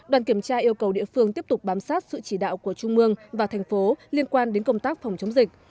đoàn kiểm tra yêu cầu địa phương tiếp tục bám sát sự chỉ đạo của trung mương và thành phố liên quan đến công tác phòng chống dịch